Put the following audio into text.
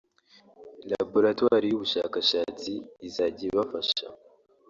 Laboratwari y’ubushakashatsi izajya ibafasha